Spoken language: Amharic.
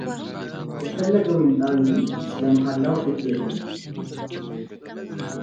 የፈለገው ይምጣ እንጂ ስለመሃላው ግድ የለኝም፡፡